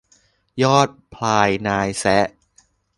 ยอดพลายนายแซะ